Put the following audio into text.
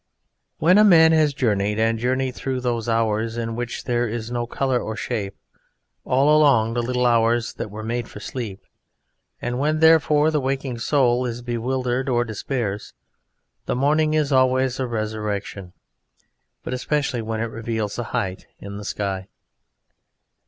When a man has journeyed and journeyed through those hours in which there is no colour or shape, all along the little hours that were made for sleep and when, therefore, the waking soul is bewildered or despairs, the morning is always a resurrection but especially when it reveals a height in the sky.